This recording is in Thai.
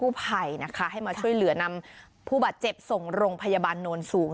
แล้วก็แจ้งเจ้าหน้าที่กู้ภัยให้มาช่วยเหลือนำผู้บาดเจ็บส่งลงพยาบาลน้วนสูง